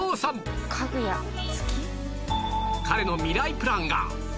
彼のミライプランが